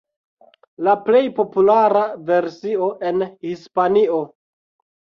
La plej populara versio en Hispanio.